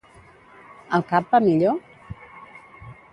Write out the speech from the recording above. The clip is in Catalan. El cap va millor?